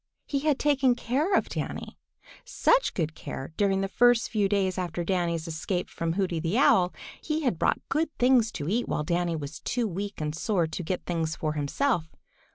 He had taken care of Danny, such good care, during the first few days after Danny's escape from Hooty the Owl. He had brought good things to eat while Danny was too weak and sore to get things for himself.